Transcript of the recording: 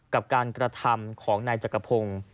กับการกระทำของนายจักรพงศ์